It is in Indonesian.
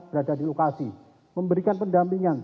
berada di lokasi memberikan pendampingan